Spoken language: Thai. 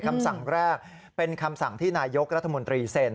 คำสั่งแรกเป็นคำสั่งที่นายกรัฐมนตรีเซ็น